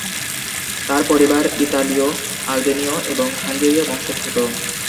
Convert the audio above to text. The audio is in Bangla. তাঁর পরিবার ইতালীয়-আলবেনীয় এবং হাঙ্গেরীয় বংশোদ্ভূত।